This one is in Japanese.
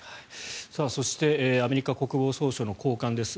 そしてアメリカ国防総省の高官です。